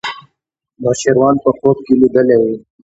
نوشیروان په خوب کې لیدلی و.